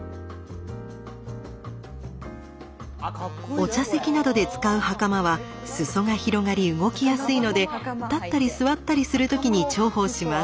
お茶席などで使う袴は裾が広がり動きやすいので立ったり座ったりする時に重宝します。